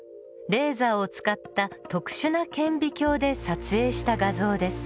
レーザーを使った特殊な顕微鏡で撮影した画像です。